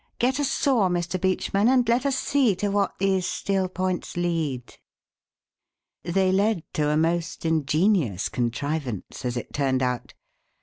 Get a saw, Mr. Beachman, and let us see to what these steel points lead." They led to a most ingenious contrivance, as it turned out.